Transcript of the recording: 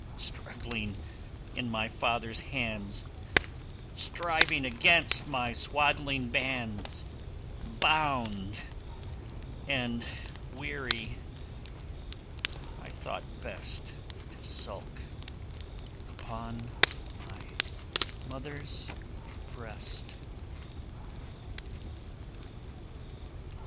Struggling in my father's hands, Striving against my swaddling bands, Bound and weary, I thought best To sulk upon my mother's breast.